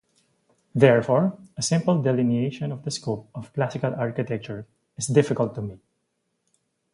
Therefore, a simple delineation of the scope of classical architecture is difficult to make.